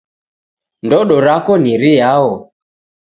Ndodo rako ni riao?